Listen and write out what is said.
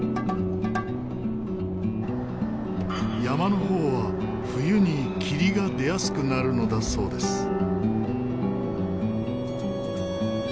山の方は冬に霧が出やすくなるのだそうです。